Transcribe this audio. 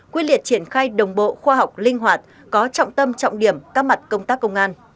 quyết liệt triển khai đồng bộ khoa học linh hoạt có trọng tâm trọng điểm các mặt công tác công an